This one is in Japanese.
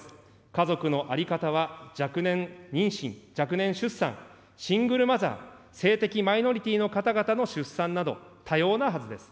家族の在り方は若年妊娠、若年出産、シングルマザー、性的マイノリティの方々の出産など、多様なはずです。